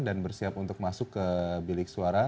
dan bersiap untuk masuk ke bilik suara